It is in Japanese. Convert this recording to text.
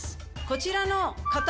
こちらの。